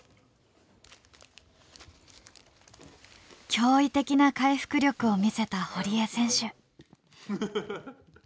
驚異的な回復力を見せた堀江選手。